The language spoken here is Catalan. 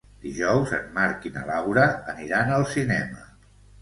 Dijous en Marc i na Laura aniran al cinema.